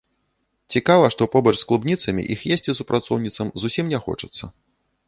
Цікава, што побач з клубніцамі іх есці супрацоўніцам зусім не хочацца.